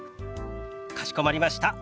かしこまりました。